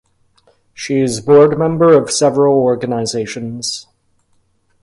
She is board member of several organizations.